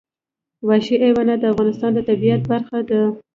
وحشي حیوانات د افغانستان د طبیعت برخه ده.